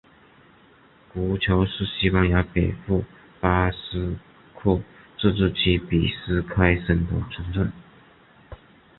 格乔是西班牙北部巴斯克自治区比斯开省的城镇。